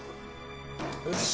よし！